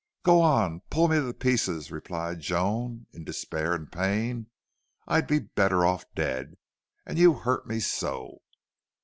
"Go on pull me to pieces!" replied Joan, in despair and pain. "I'd be better off dead! And you hurt me so!"